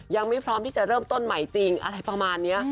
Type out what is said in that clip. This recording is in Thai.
ยังไม่พร้อมที่จะเริ่มต้นใหม่จริงอะไรประมาณนี้